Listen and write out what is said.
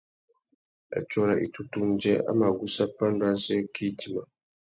Atsôra itutu undjê a mà gussa pandú azê kā idjima.